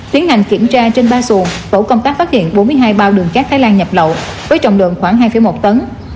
tiến hành kiểm tra trên ba xuồng tổ công tác phát hiện bốn mươi hai bao đường cát thái lan nhập lậu với trọng lượng khoảng hai một tấn